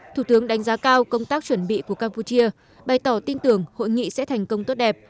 thủ tướng đánh giá cao công tác chuẩn bị của campuchia bày tỏ tin tưởng hội nghị sẽ thành công tốt đẹp